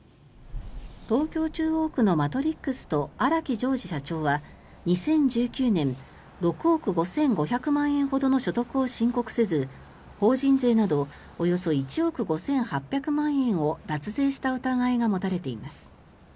東京・中央区のＭＡＴＲＩＸと荒木襄治社長は、２０１９年６億５５００万円ほどの所得を申告せず法人税などおよそ１億５８００万円を脱税した疑いが持たれています。